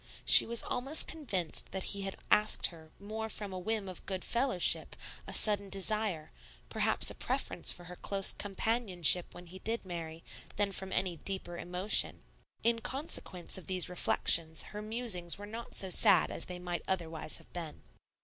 She was almost convinced that he had asked her more from a whim of good fellowship, a sudden desire, perhaps a preference for her close companionship when he did marry, than from any deeper emotion. In consequence of these reflections her musings were not so sad as they might otherwise have been.